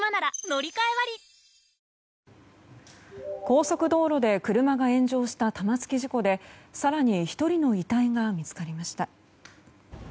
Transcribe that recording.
高速道路で車が炎上した玉突き事故で更に１人の遺体が見つかりました。